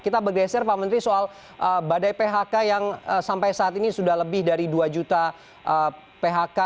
kita bergeser pak menteri soal badai phk yang sampai saat ini sudah lebih dari dua juta phk